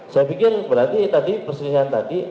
saya pikir berarti tadi perselisihan tadi